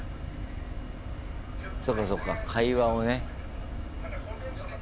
そうかそうか会話をね。